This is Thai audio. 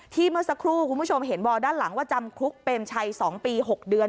เมื่อสักครู่คุณผู้ชมเห็นวอลด้านหลังว่าจำคุกเปรมชัย๒ปี๖เดือน